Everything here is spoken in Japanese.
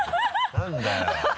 何だよ。